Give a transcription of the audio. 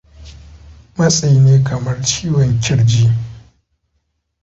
matsi ne kamar ciwon kirji